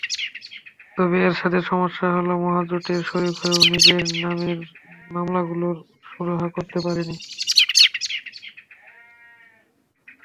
তবে এরশাদের সমস্যা হলো মহাজোটের শরিক হয়েও নিজের নামের মামলাগুলোর সুরাহা করতে পারেননি।